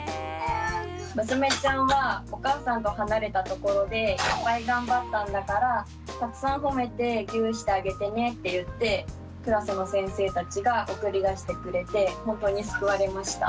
「娘ちゃんはお母さんと離れたところでいっぱい頑張ったんだからたくさん褒めてギューしてあげてね」って言ってクラスの先生たちが送り出してくれてほんとに救われました。